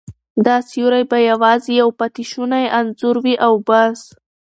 دا سیوری به یوازې یو پاتې شونی انځور وي او بس.